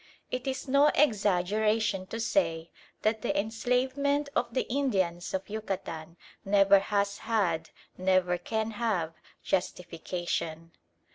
It is no exaggeration to say that the enslavement of the Indians of Yucatan never has had, never can have, justification.